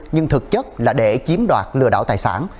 nhưng thực chất là để chiếm đoạt lừa đảo tài sản